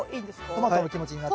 トマトの気持ちになって。